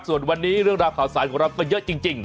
ส่วนวันนี้เรื่องราวข่าวสารของเราก็เยอะจริง